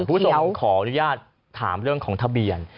คุณผู้ชมขออนุญาตถามเรื่องของทะเบียน